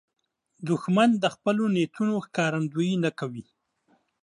دښمن د خپلو نیتونو ښکارندویي نه کوي